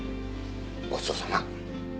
ごちそうさま。